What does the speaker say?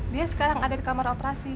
dia sekarang ada di kamar operasi